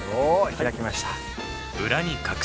開きました。